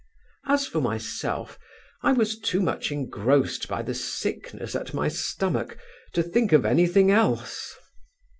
As for myself, I was too much engrossed by the sickness at my stomach, to think of any thing else.